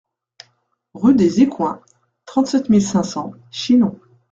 Rue des Écoins, trente-sept mille cinq cents Chinon